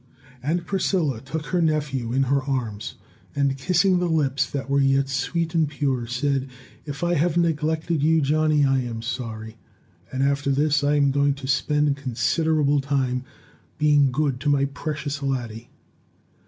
Aunt Priscilla took her nephew in her arms, and, kissing the lips that were yet sweet and pure, said, "If I have neglected you, Johnny, I am sorry; and after this I am going to spend considerable time being good to my precious laddie."